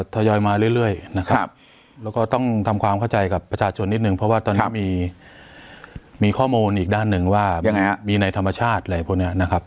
ทยอยมาเรื่อยนะครับแล้วก็ต้องทำความเข้าใจกับประชาชนนิดนึงเพราะว่าตอนนี้มีข้อมูลอีกด้านหนึ่งว่ามีในธรรมชาติอะไรพวกนี้นะครับ